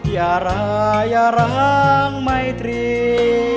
อย่าร้าอย่าร้างไมตรี